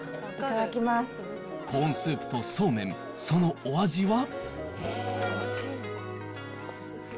コーンスープとそうめん、そのお味は？